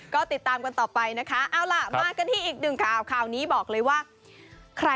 ก็ติดตามกันต่อไปนะคะเอาล่ะมากันที่อีกหนึ่งข่าวข่าวนี้บอกเลยว่า